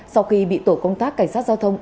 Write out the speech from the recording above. sau khi bị tổ công tác cảnh sát giao thông